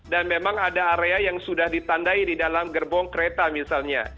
dan memang ada area yang sudah ditandai di dalam gerbong kereta misalnya